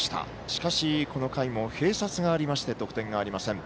しかし、この回も併殺がありまして得点がありません。